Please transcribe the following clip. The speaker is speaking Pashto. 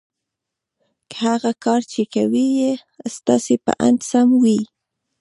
که هغه کار چې کوئ یې ستاسې په اند سم وي